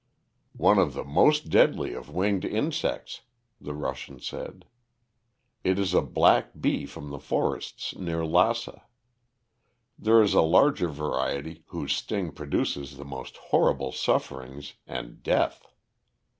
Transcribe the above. "One of the most deadly of winged insects," the Russian said. "It is a black bee from the forests near Lassa. There is a larger variety, whose sting produces the most horrible sufferings and death.